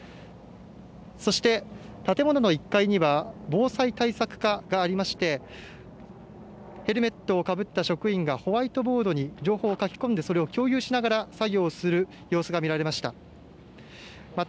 そして、建物の１階には防災対策課がありましてヘルメットをかぶった職員がホワイトボードに情報を書き込んでそれを共有しながら作業する様子が見られました。